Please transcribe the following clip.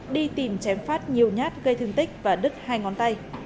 đi tìm chém phát nhiều nhát gây thương tích và đứt hai ngón tay